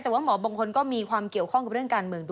แต่ว่าหมอบางคนก็มีความเกี่ยวข้องกับเรื่องการเมืองด้วย